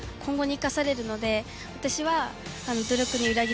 私は。